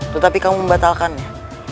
tetapi kamu membatalkannya